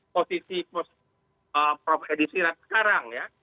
posisi prof edi sirat sekarang ya